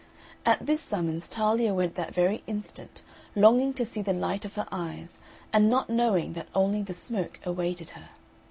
At this summons Talia went that very instant, longing to see the light of her eyes, and not knowing that only the smoke awaited her.